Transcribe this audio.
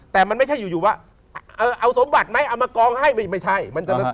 แต่มันไม่ใช่อยู่ว่าเอาสมบัติไหมเอามากองให้ไม่ใช่